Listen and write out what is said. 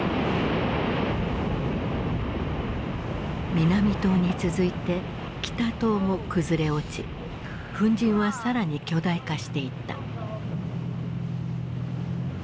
南棟に続いて北棟も崩れ落ち粉じんは更に巨大化していった。